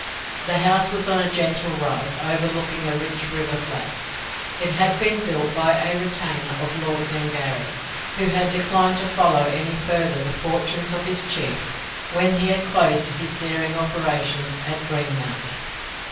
The house was on a gentle rise, overlooking a rich river flat. It had been built by a retainer of Lord Glengarry, who had declined to follow any further the fortunes of his chief when he had closed his dairying operations at Greenmount.